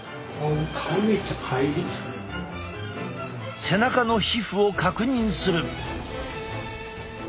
背中の皮膚を確認する。